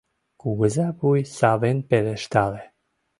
Кугыза вуй савен пелештале: